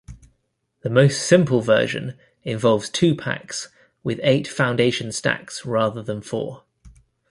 The most simple version involves two packs, with eight foundation stacks rather than four.